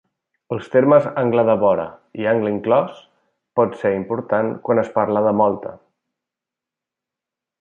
Els termes "angle de vora" i "angle inclòs" pot ser important quan es parla de mòlta.